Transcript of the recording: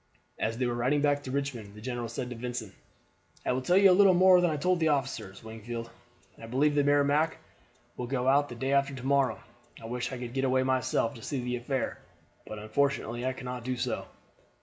As they were riding back to Richmond the general said to Vincent: "I will tell you a little more than I told the others, Wingfield. I believe the Merrimac will go out the day after to morrow. I wish I could get away myself to see the affair; but, unfortunately, I cannot do so.